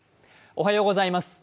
おはようございます。